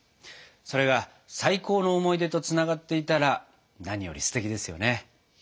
それが最高の思い出とつながっていたら何よりすてきですよね。